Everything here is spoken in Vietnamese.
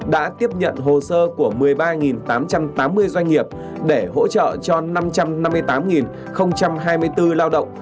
đã tiếp nhận hồ sơ của một mươi ba tám trăm tám mươi doanh nghiệp để hỗ trợ cho năm trăm năm mươi tám hai mươi bốn lao động